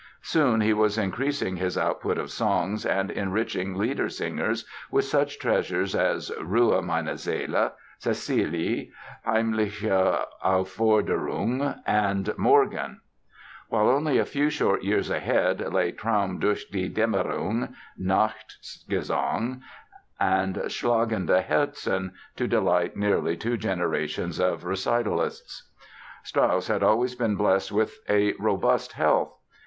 Soon he was increasing his output of songs and enriching Liedersingers with such treasures as "Ruhe, meine Seele", "Caecilie", "Heimliche Aufforderung" and "Morgen"; while only a few short years ahead lay "Traum durch die Dämmerung", "Nachtgesang" and "Schlagende Herzen", to delight nearly two generations of recitalists. Strauss had always been blessed with a robust health.